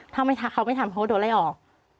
ถ้าไม่ทำเขาไม่ทำเขาก็โดดไล่ออก